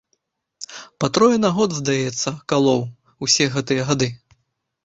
Па трое на год, здаецца, калоў, усе гэтыя гады.